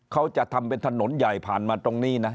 เขาจะทำเป็นถนนใหญ่ผ่านมาตรงนี้นะ